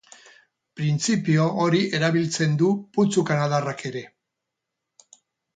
Printzipio hori erabiltzen du putzu kanadarrak ere.